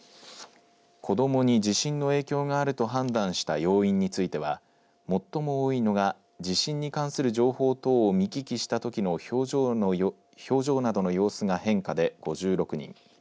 子どもに地震の影響があると判断した要因については最も多いのが地震に関する情報等を見聞きしたときの表情などの様子が変化で５６人。